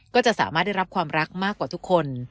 ก็จะสามารถได้รับความรักมากกว่าทุกคน